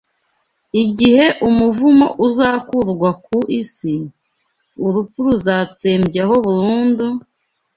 igihe umuvumo uzakurwa ku isi, urupfu ruzatsembyaho burundu,